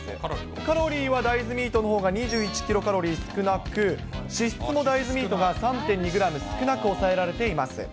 カロリーは大豆ミートのほうが２１キロカロリー少なく、脂質も大豆ミートが３．２グラム少なく抑えられています。